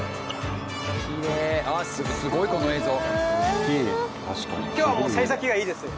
あっすごいこの映像。